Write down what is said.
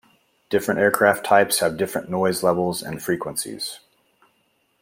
Different aircraft types have different noise levels and frequencies.